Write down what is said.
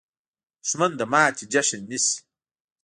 دښمن د ماتې جشن نیسي